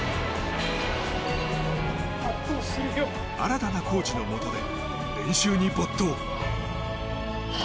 新たなコーチのもとで練習に没頭。